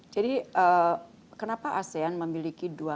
jadi kenapa asean memiliki dua kawasan